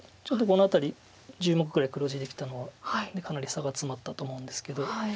ちょっとこの辺り１０目ぐらい黒地できたのはかなり差が詰まったと思うんですけど。